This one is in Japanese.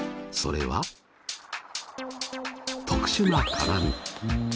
それは特殊な鏡。